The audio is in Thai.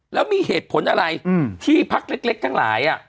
แล้วมีเหตุผลอะไรที่พักเล็กทั้งหลาย